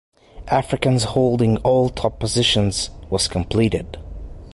Africans holding all top positions, was completed.